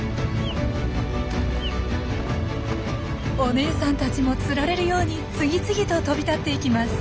お姉さんたちもつられるように次々と飛び立っていきます。